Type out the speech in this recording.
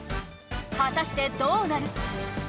はたしてどうなる！？